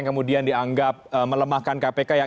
kemudian dianggap melemahkan kpk yang